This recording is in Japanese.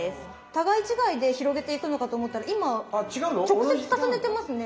互い違いで広げていくのかと思ったら今直接重ねてますね。